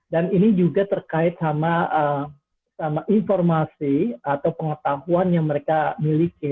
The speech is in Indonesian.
dan ini juga terkait sama informasi atau pengetahuan yang mereka miliki